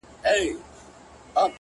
ږلۍ د کاڼو